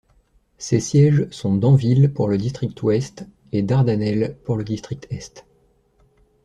Ses sièges sont Danville, pour le district ouest, et Dardanelle, pour le district est.